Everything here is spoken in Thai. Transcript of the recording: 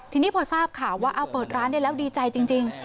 ทีนี้พอทราบข่าวว่าเอาเปิดร้านได้แล้วดีใจจริง